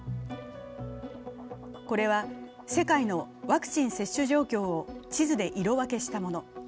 これは世界のワクチン接種状況を地図で色分けしたもの。